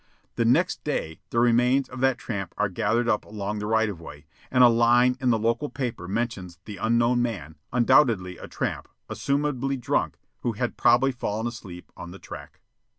The next day the remains of that tramp are gathered up along the right of way, and a line in the local paper mentions the unknown man, undoubtedly a tramp, assumably drunk, who had probably fallen asleep on the track.